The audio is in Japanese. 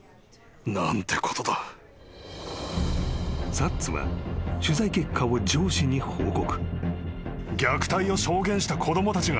［サッツは取材結果を上司に報告］